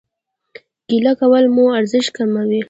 ګيله کول مو ارزښت کموي